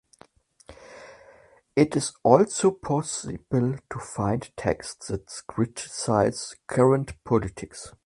It is also possible to find texts that criticize current politics.